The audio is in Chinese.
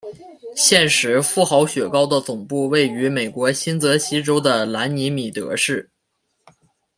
现时富豪雪糕的总部位于美国新泽西州的兰尼米德市。